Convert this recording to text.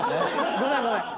ごめんごめん。